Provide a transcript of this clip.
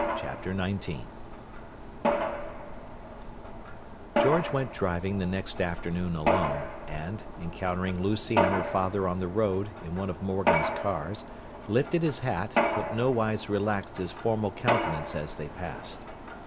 Chapter XIX George went driving the next afternoon alone, and, encountering Lucy and her father on the road, in one of Morgan's cars, lifted his hat, but nowise relaxed his formal countenance as they passed.